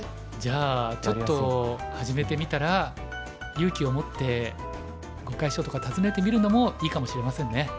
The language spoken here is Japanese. じゃあちょっと始めてみたら勇気を持って碁会所とか訪ねてみるのもいいかもしれませんね。